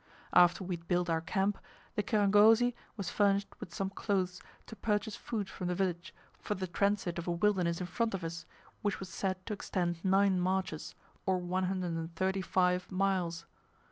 After we had built our camp, the kirangozi was furnished with some cloths to purchase food from the village for the transit of a wilderness in front of us, which was said to extend nine marches, or 135 miles.